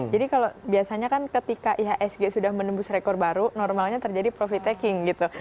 jadi kalau biasanya kan ketika ihsg sudah menembus rekor baru normalnya terjadi profit taking gitu